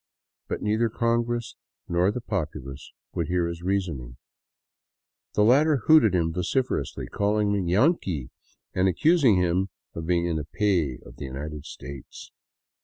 But. neither congress nor the populace would hear his reasoning. The latter hooted him vocifer ously, calling him " Yanqui !" and accusing him of being in the pay of the United States.